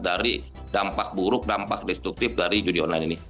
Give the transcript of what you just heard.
dari dampak buruk dampak destruktif dari judi online ini